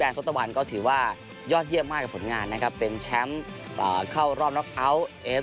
แล้วก่อนนักเตะเอิ้นตอนนี้ผมจะพูดว่า